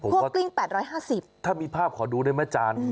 พวกกลิ้ง๘๕๐ถ้ามีภาพขอดูได้ไหมอาจารย์